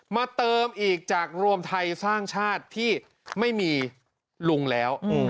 มาเติมอีกจากรวมไทยสร้างชาติที่ไม่มีลุงแล้ว